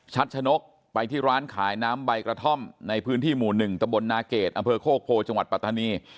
ชัดชะนกไปที่ร้านขายน้ำใบกระท่อมในพื้นที่หมู่๑ตะบลนาเกรดอำเภอโคกโพจังหวัดปัตตานี